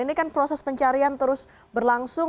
ini kan proses pencarian terus berlangsung